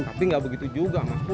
tapi nggak begitu juga mas